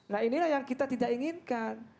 nah inilah yang kita tidak inginkan